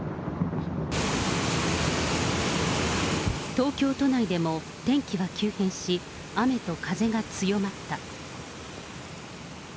東京都内でも天気は急変し、雨と風が強まった。